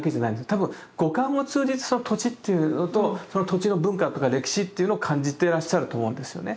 多分五感を通じてその土地っていうのとその土地の文化とか歴史っていうのを感じてらっしゃると思うんですよね。